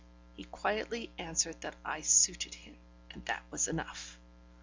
He quietly answered that I suited him, and that was enough.